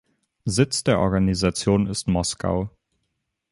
Sitz der Organisation ist Moskau.